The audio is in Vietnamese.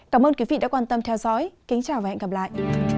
cảm ơn quý vị đã quan tâm theo dõi kính chào và hẹn gặp lại